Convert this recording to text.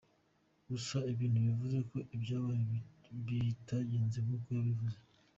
Gusa ibi ntibivuze ko ibyabaye bitagenze nk’uko yabivuze.